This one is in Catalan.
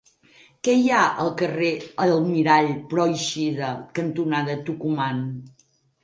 Què hi ha al carrer Almirall Pròixida cantonada Tucumán?